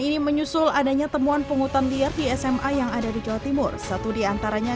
ini menyusul adanya temuan penghutan liar di sma yang ada di jawa timur satu diantaranya